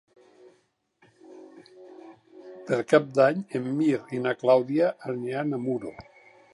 Per Cap d'Any en Mirt i na Clàudia aniran a Muro.